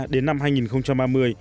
đến năm hai nghìn ba mươi